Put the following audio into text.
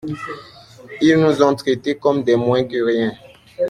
Ils nous ont traités comme des moins que rien.